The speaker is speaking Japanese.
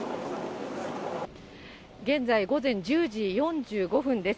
現在、午前１０時４５分です。